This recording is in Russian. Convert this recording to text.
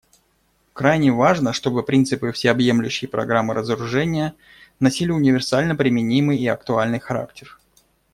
Крайне важно, чтобы принципы всеобъемлющей программы разоружения носили универсально применимый и актуальный характер.